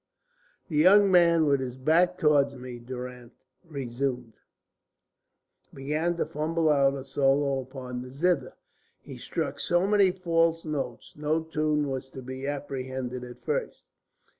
"The young man with his back towards me," Durrance resumed, "began to fumble out a solo upon the zither. He struck so many false notes, no tune was to be apprehended at the first.